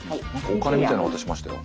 お金みたいなの渡しましたよ。